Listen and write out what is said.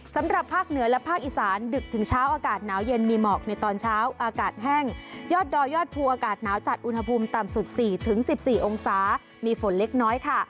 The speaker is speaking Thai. สำหรับภาคเหนือและภาคอีสานดึกถึงเช้าอากาศหนาวเย็นมีหมอกในตอนเช้าอากาศแห้งยอดดอยยอดภูอากาศหนาวจัดอุณหภูมิต่ำสุด๔๑๔องศามีฝนเล็กน้อยค่ะ